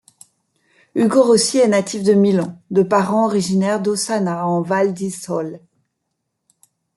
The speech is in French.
Ugo Rossi est natif de Milan, de parents originaires d'Ossana en Val di Sole.